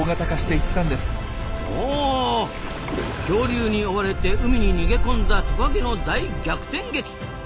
恐竜に追われて海に逃げ込んだトカゲの大逆転劇。